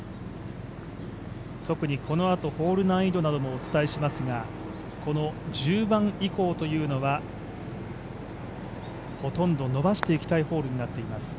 特にこのあとホール難易度などもお伝えしますが、この１０番以降はほとんど伸ばしていきたいホールになっています。